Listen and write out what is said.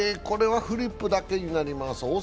これはフリップだけになります。